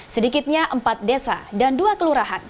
sedikitnya empat desa dan dua kelurahan